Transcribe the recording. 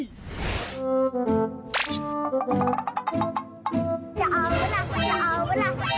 อย่าเอาเวลา